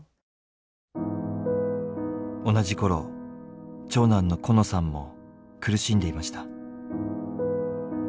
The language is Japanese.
同じ頃長男のコノさんも苦しんでいました。